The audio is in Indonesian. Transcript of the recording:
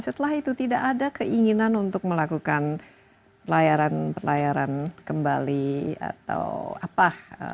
setelah itu tidak ada keinginan untuk melakukan pelayaran pelayaran kembali atau apa